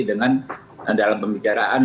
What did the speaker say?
dengan dalam pembicaraan